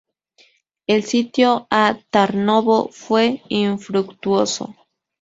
El sitio a Tarnovo fue infructuoso.